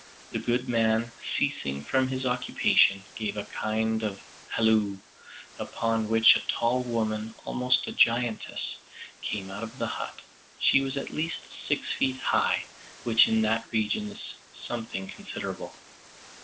The good man, ceasing from his occupation, gave a kind of halloo, upon which a tall woman, almost a giantess, came out of the hut. She was at least six feet high, which in that region is something considerable.